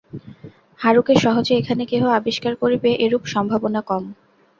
হারুকে সহজে এখানে কেহ আবিষ্কার করিবে, এরূপ সম্ভাবনা কম।